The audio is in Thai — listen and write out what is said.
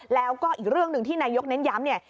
แล้วก็อีกเรื่องหนึ่งที่นายกเน้นย้ำเนี่ย